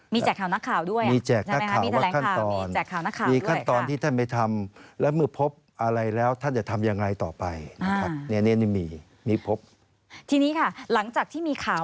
มีแจกข่าวนักข่าวด้วยใช่ไหมครับมีแจกข่าวนักข่าวด้วยมีแจกข่าวนักข่าว